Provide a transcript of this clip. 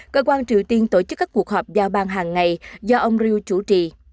cơ quan triều tiên tổ chức các cuộc họp giao ban hàng ngày do ông riêu chủ trì